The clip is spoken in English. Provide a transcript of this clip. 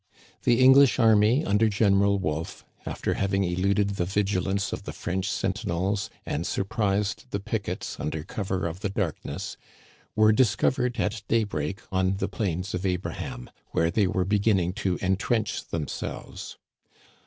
The English army, under General Wolfe, after having eluded the vigilance of the French sentinels and surprised the pickets under cover of the darkness, were discovered at daybreak on the Plains of Abraham, where they were beginning to entrench themselves.